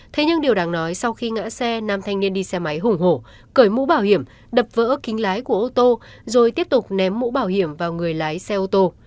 thế nhưng điều đáng nói sau khi ngã xe nam thanh niên đi xe máy hùng hổ cởi mũ bảo hiểm đập vỡ kính lái của ô tô rồi tiếp tục ném mũ bảo hiểm vào người lái xe ô tô